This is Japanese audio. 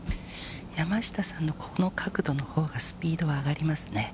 山下さんのこの角度のほうがスピードは上がりますね。